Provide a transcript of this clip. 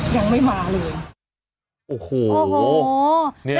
ยังไม่มาเลย